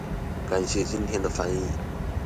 感謝今天的翻譯